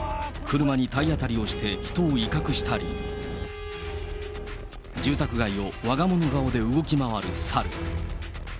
車に体当たりをして、人を威嚇したり、住宅街をわが物顔で動き回るサル。